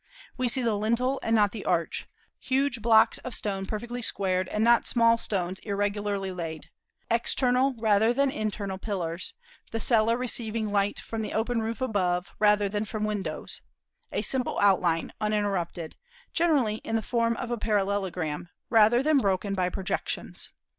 We see the lintel and not the arch; huge blocks of stone perfectly squared, and not small stones irregularly laid; external rather than internal pillars, the cella receiving light from the open roof above, rather than from windows; a simple outline uninterrupted, generally in the form of a parallelogram, rather than broken by projections.